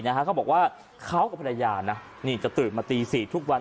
แล้วเขาบอกว่าเขากับพระยาจะตื่นมาตีสีทุกวัน